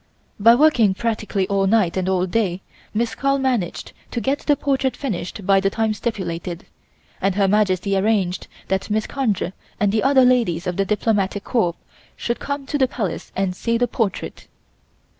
By working practically all night and all day, Miss Carl managed to get the portrait finished by the time stipulated, and Her Majesty arranged that Mrs. Conger and the other ladies of the Diplomatic Corps should come to the Palace and see the portrait.